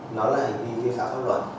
nó là hành vi vi phá pháp luật